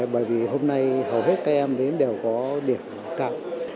bởi vì hôm nay hầu hết các em đều có điểm cao